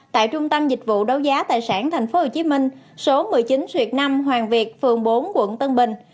tại trung tâm dịch vụ đấu giá tài sản tp hcm số một mươi chín xuyệt năm hoàng việt phường bốn quận tân bình